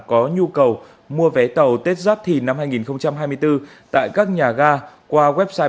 có nhu cầu mua vé tàu tết giáp thìn năm hai nghìn hai mươi bốn tại các nhà ga qua website